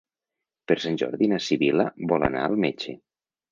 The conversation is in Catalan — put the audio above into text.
Per Sant Jordi na Sibil·la vol anar al metge.